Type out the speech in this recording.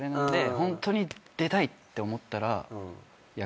ホントに出たいって思ったら役者辞めます。